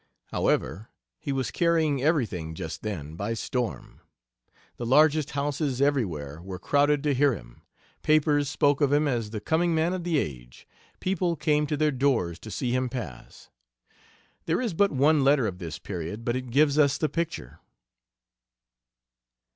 However, he was carrying everything, just then, by storm. The largest houses everywhere were crowded to hear him. Papers spoke of him as the coming man of the age, people came to their doors to see him pass. There is but one letter of this period, but it gives us the picture.